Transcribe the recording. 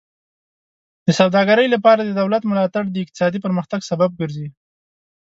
د سوداګرۍ لپاره د دولت ملاتړ د اقتصادي پرمختګ سبب ګرځي.